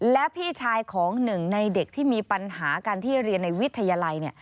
และพี่ชายของหนึ่งในเด็กที่มีปัญหากันที่เรียนในวิทยาลัยเนี่ย